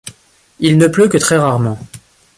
Il ne pleut que très rarement.